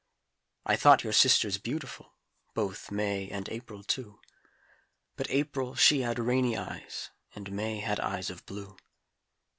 I thought your sisters beautiful, Both May and April, too, But April she had rainy eyes, And May had eyes of blue.